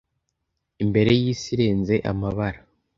imbere yisi irenze amabara